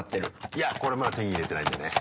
いやこれまだ手に入れてないんでね